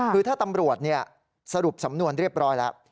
คือถ้าตำรวจสรุปสำนวนเรียบร้อยแล้ว